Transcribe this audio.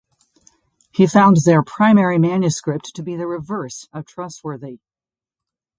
He found their primary manuscript to be the reverse of trustworthy.